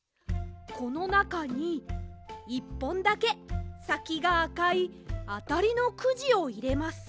このなかに１ぽんだけさきがあかいあたりのくじをいれます。